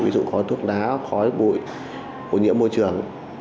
ví dụ có thuốc lá khói bụi hỗn nhiễm môi trường